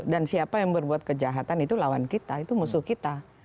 dan siapa yang berbuat kejahatan itu lawan kita itu musuh kita